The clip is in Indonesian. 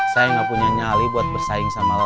saya gak punya nyali buat bersaing sama lelaki tadi